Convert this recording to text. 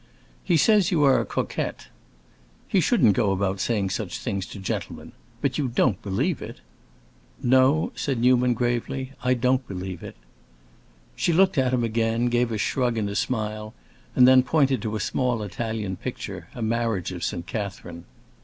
"He says you are a coquette." "He shouldn't go about saying such things to gentlemen! But you don't believe it?" "No," said Newman gravely, "I don't believe it." She looked at him again, gave a shrug and a smile, and then pointed to a small Italian picture, a Marriage of St. Catherine.